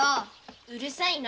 うるさいな。